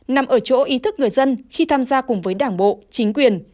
nằm ở chỗ ý thức người dân khi tham gia cùng với đảng bộ chính quyền